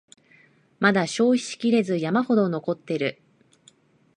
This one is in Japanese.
まだ消費しきれず山ほど残ってる